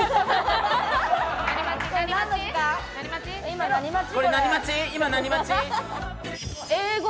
今何待ち？